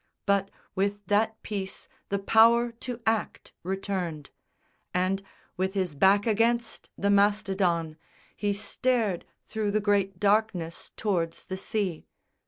But with that peace the power to act returned; And, with his back against the Mastodon, He stared through the great darkness tow'rds the sea.